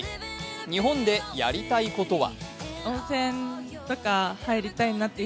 日本でやりたいことは？